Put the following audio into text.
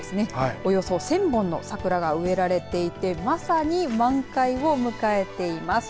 およそ１０００本の桜が植えられていてまさに満開を迎えています。